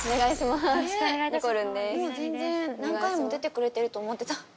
全然何回も出てくれてると思ってた。